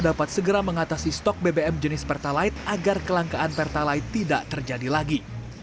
dapat segera mengatasi stok bbm jenis pertalite agar kelangkaan pertalite tidak terjadi lagi